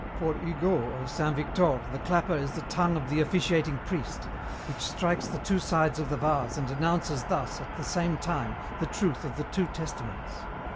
For Hugo of Saint Victor the clapper is the tongue of the officiating priest, which strikes the two sides of the vase and announces thus, at the same time, the truth of the two Testaments.